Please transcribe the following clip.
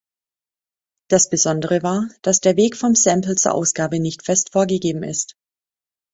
Das Besondere war, dass der Weg vom Sample zur Ausgabe nicht fest vorgegeben ist.